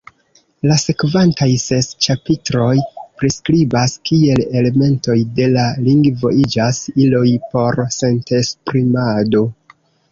La sekvantaj ses ĉapitroj priskribas, kiel elementoj de la lingvo iĝas iloj por sentesprimado.